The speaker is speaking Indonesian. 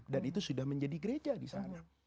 dan itu sudah menjadi gereja disana